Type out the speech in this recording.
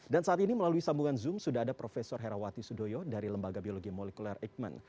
saat ini melalui sambungan zoom sudah ada prof herawati sudoyo dari lembaga biologi molekuler eijkman